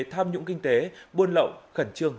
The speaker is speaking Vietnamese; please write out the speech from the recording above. tham nhũng kinh tế buôn lậu khẩn trương